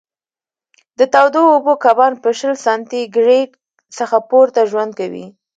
د تودو اوبو کبان په شل سانتي ګرېد څخه پورته ژوند کوي.